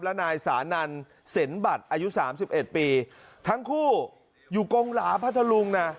และนายสานันเซ็นบัตรอายุสามสิบเอ็ดปีทั้งคู่อยู่กงหลาพัทธลุงนะ